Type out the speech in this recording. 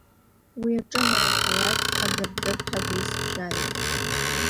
Уи аҿы анараҳалак адыԥ-адыԥҳәа агәеисбжьы ааҩуеит.